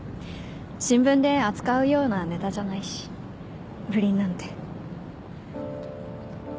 新聞で扱うようなネタじゃないし不倫なんて。